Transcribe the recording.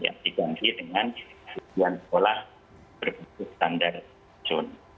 ya diganti dengan sekolah berfungsi standar zon